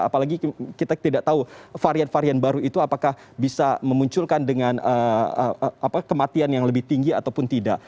apalagi kita tidak tahu varian varian baru itu apakah bisa memunculkan dengan kematian yang lebih tinggi ataupun tidak